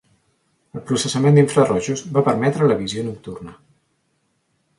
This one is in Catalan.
El processament d'infrarojos va permetre la visió nocturna.